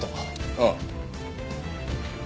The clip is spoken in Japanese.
ああ。